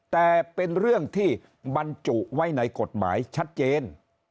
แต่เป็นเรื่องที่บรรจุไว้ในกฎหมายชัดเจน